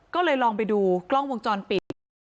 ก็เลยลองไปดูกล้องวงจรปิด